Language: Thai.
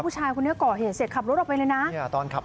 ผู้ชายคุณเนี่ยก่อเหตุเสร็จขับรถออกไปเลยนะตอนขับ